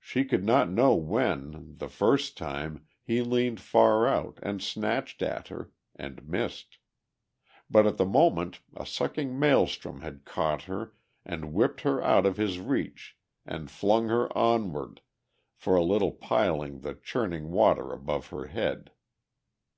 She could not know when, the first time, he leaned far out and snatched at her ... and missed. For at the moment a sucking maelstrom had caught her and whipped her out of his reach and flung her onward, for a little piling the churning water above her head.